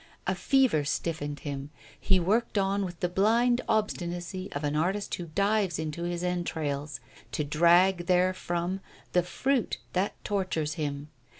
A fever stiffened him, he worked on with the blind obstinacy of an artist who dives into his entrails, to drag therefrom the fruit that tortures him.